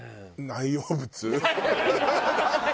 「内容物」。